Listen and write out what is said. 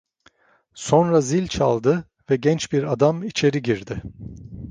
Sonra zil çaldı ve genç bir adam içeri girdi.